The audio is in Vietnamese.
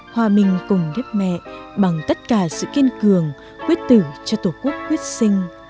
hòa bình cùng đếp mẹ bằng tất cả sự kiên cường quyết tử cho tổ quốc quyết sinh